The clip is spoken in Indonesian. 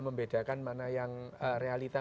membedakan mana yang realita